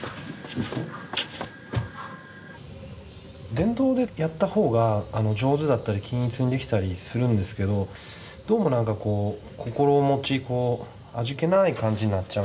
電動でやった方が上手だったり均一にできたりするんですけどどうも何かこう心持ちこう味気ない感じになっちゃうんですよね。